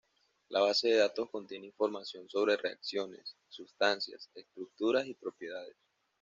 La base de datos contiene información sobre reacciones, sustancias, estructuras y propiedades.